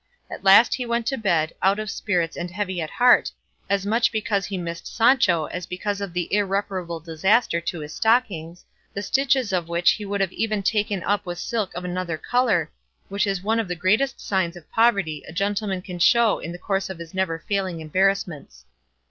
At last he went to bed, out of spirits and heavy at heart, as much because he missed Sancho as because of the irreparable disaster to his stockings, the stitches of which he would have even taken up with silk of another colour, which is one of the greatest signs of poverty a gentleman can show in the course of his never failing embarrassments.